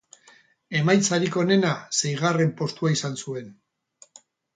Emaitzarik onena seigarren postua izan zuen.